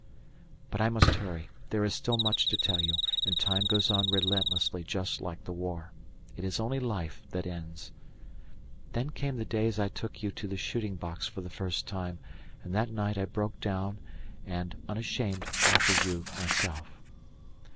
But I must hurry, there is still much to tell you, and Time goes on relentlessly just like the war; it is only life that ends. Then came the days I took you to the shooting box for the first time, and that night I broke down and, unashamed, offered you myself.